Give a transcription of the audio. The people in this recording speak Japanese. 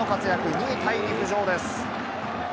２位タイに浮上です。